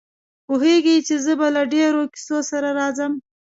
پوهېږي چې زه به له ډېرو کیسو سره راځم.